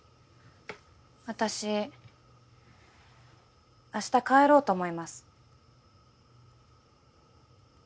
私明日帰ろうと思います。